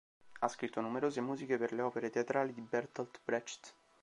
Ha scritto numerose musiche per le opere teatrali di Bertolt Brecht.